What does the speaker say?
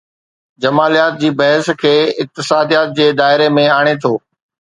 جماليات جي بحث کي اقتصاديات جي دائري ۾ آڻي ٿو.